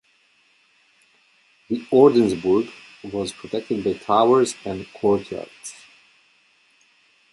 The Ordensburg was protected by towers and courtyards.